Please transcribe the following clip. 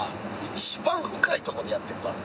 一番深いとこでやってるからな。